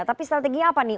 tapi strategi apa nih